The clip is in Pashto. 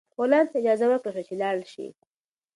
غلام ته اجازه ورکړل شوه چې لاړ شي.